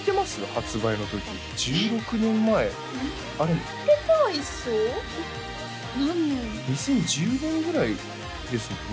発売の時１６年前生まれてはいそう何年２０１０年ぐらいですもんね？